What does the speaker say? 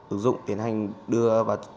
ứng dụng tiến hành đưa và